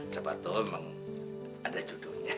sebab itu emang ada judulnya